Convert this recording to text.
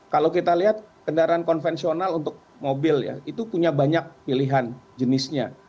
kalau kita lihat kendaraan konvensional untuk mobil ya itu punya banyak pilihan jenisnya